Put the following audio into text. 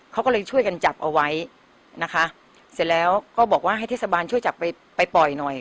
เขาก็เลยช่วยกันจับเอาไว้นะคะเสร็จแล้วก็บอกว่าให้เทศบาลช่วยจับไปไปปล่อยหน่อย